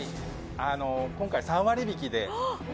今回、３割引で。